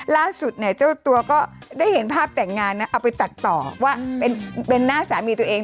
ล่าสุดเนี่ยเจ้าตัวก็ได้เห็นภาพแต่งงานนะเอาไปตัดต่อว่าเป็นหน้าสามีตัวเอง